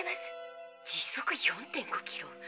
時速４．５キロ？